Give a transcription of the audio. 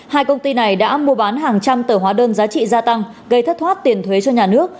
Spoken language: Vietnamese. hai công ty này đã mua bán hàng trăm tờ hóa đơn giá trị gia tăng gây thất thoát tiền thuế cho nhà nước